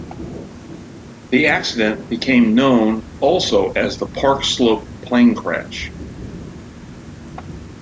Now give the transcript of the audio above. The accident became known also as the Park Slope plane crash.